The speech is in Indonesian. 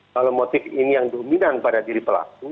kalau motif ini yang dominan pada diri pelaku